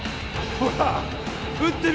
ほら